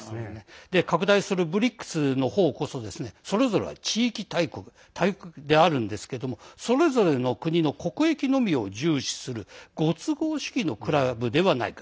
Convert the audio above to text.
拡大するＢＲＩＣＳの方こそそれぞれは地域大国であるんですがそれぞれの国の国益のみを重視するご都合主義のクラブではないか。